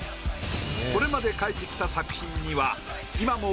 これまで描いてきた作品には。